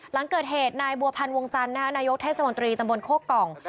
หลังเกิดเหตุนายบัวพันธ์วงจันทร์นายกเทศมนตรีตำบลโคกกล่อง